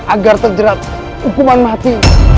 agar terjerat hukuman mati